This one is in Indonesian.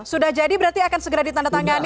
sudah jadi berarti akan segera ditandatangani